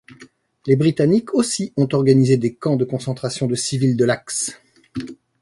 Les Britanniques aussi ont organisé des camps de concentration de civils de l'Axe.